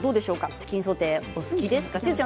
チキンソテーお好きですか。